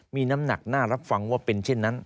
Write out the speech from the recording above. มีน้ำหนักน่ารับฟังว่าเป็นเช่นนั้น